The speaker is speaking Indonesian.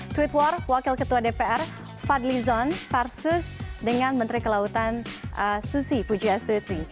tweet war wakil ketua dpr fadlizon versus dengan menteri kelautan susi pujias tutsi